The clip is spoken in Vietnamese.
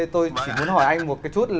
tôi chỉ muốn hỏi anh một chút